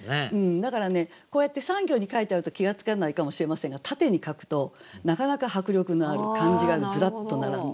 だからねこうやって３行に書いてあると気が付かないかもしれませんが縦に書くとなかなか迫力のある漢字がずらっと並んで。